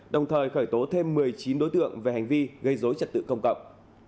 đồng thời khởi tố thêm một mươi chín đối tượng về hành vi gây dối trật tự công cộng